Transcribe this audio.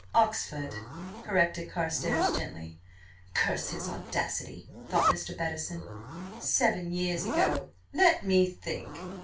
"Oxford," corrected Carstares gently. Curse his audacity! thought Mr. Bettison. "Seven years ago–let me think.